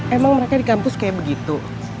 emang mereka di kampus kayak begitu